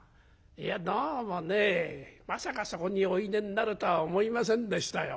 いやどうもねまさかそこにおいでになるとは思いませんでしたよ」。